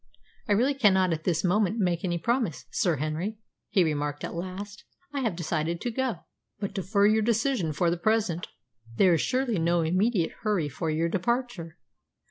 "I really cannot at this moment make any promise, Sir Henry," he remarked at last. "I have decided to go." "But defer your decision for the present. There is surely no immediate hurry for your departure!